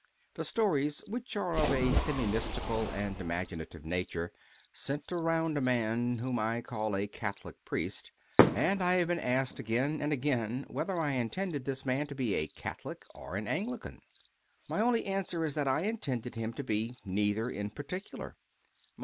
The stories, which are of a semi mystical and imagi native nature, centre round a man whom I call a "Catholic priest," and I have been asked again and again whether I intended this man to be a Catholic or an Anglican. My only answer is that I intended him to be neither in particular.